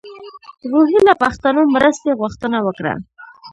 روهیله پښتنو مرستې غوښتنه وکړه.